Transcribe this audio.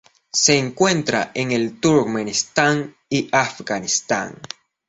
Se encuentra en el Turkmenistán y Afganistán.